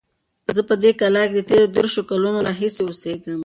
زه په دې کلا کې د تېرو دېرشو کلونو راهیسې اوسیږم.